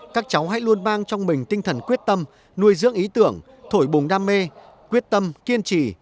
các cháu hãy luôn mang trong mình tinh thần quyết tâm nuôi dưỡng ý tưởng thổi bùng đam mê quyết tâm kiên trì